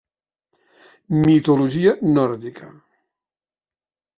Mitologia nòrdica.